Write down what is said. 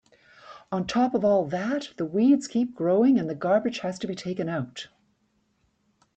On top of all that, the weeds keep growing and the garbage has to be taken out.